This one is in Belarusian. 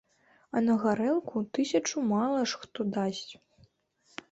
А на гарэлку тысячу мала ж хто дасць.